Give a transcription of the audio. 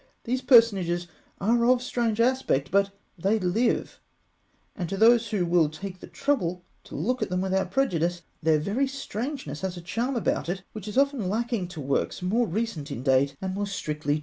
These personages are of strange aspect, but they live; and to those who will take the trouble to look at them without prejudice, their very strangeness has a charm about it which is often lacking to works more recent in date and more strictly true to nature.